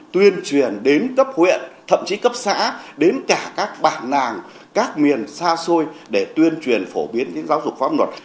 tuyên truyền đến cấp huyện thậm chí cấp xã đến cả các bản nàng các miền xa xôi để tuyên truyền phổ biến đến giáo dục pháp luật